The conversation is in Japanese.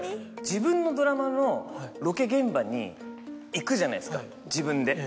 自分のドラマのロケ現場に行くじゃないですか自分で。